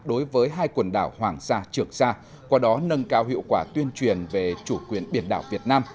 đối với hai quần đảo hoàng sa trường sa qua đó nâng cao hiệu quả tuyên truyền về chủ quyền biển đảo việt nam